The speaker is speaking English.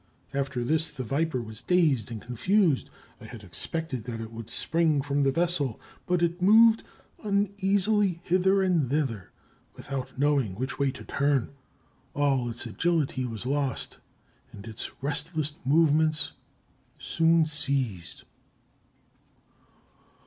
After this the viper was dazed and confused; I had expected that it would spring from the vessel, but it moved uneasily hither and thither, without knowing which way to turn; all its agility was lost, and its restless movements soon ceased.